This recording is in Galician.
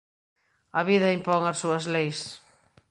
A vida impón as súas leis.